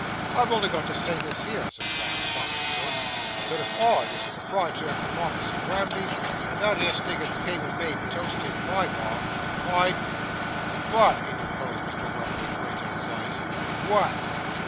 'I've only got to say this here,' said Sam, stopping short, 'that if I was the properiator o' the Markis o' Granby, and that 'ere Stiggins came and made toast in my bar, I'd ' 'What?' interposed Mr. Weller, with great anxiety. 'What?